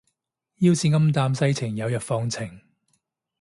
要是暗淡世情有日放晴